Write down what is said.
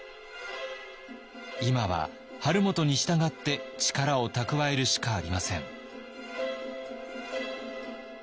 今は晴元に従って力を蓄えるしかありません。